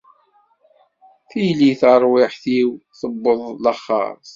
Tili tarwiḥt-iw tewweḍ laxert.